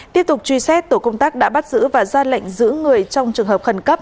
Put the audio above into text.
tiếp tục truy xét tổ công tác đã bắt giữ và ra lệnh giữ người trong trường hợp khẩn cấp